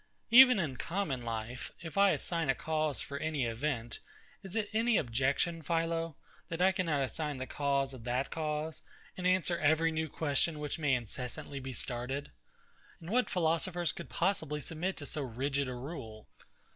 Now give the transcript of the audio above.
Even in common life, if I assign a cause for any event, is it any objection, PHILO, that I cannot assign the cause of that cause, and answer every new question which may incessantly be started? And what philosophers could possibly submit to so rigid a rule?